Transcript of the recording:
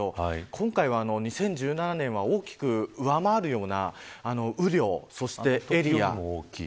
今回は２０１７年を大きく上回るような雨量、そしてエリア。